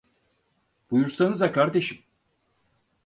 Buyursanıza kardeşim!